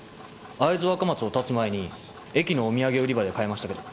会津若松を発つ前に駅のお土産売り場で買いましたけど。